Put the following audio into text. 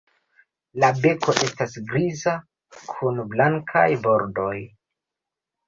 La beko estas griza kun blankaj bordoj.